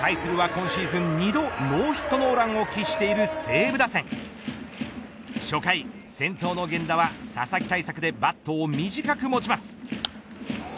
対するは今シーズン２度ノーヒットノーランを喫している西武打線初回、先頭の源田は佐々木対策でバットを短く持ちます。